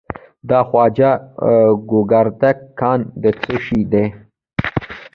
د خواجه ګوګردک کان د څه شي دی؟